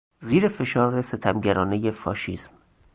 زیر فشار ستمگرانهی فاشیسم